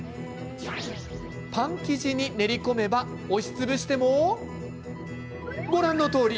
パン生地に練り込めば押しつぶしてもご覧のとおり。